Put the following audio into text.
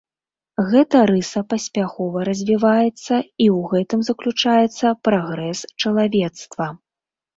Гэта рыса паспяхова развіваецца, і ў гэтым заключаецца прагрэс чалавецтва.